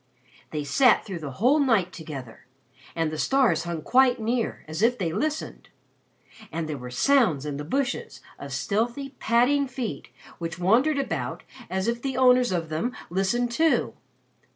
"They sat through the whole night together. And the stars hung quite near, as if they listened. And there were sounds in the bushes of stealthy, padding feet which wandered about as if the owners of them listened too.